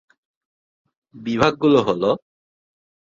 বিভাগগুলো হলো,